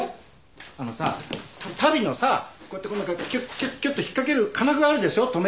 あのさ足袋のさこうやってこうなんかキュッキュッキュッと引っかける金具があるでしょ留め具。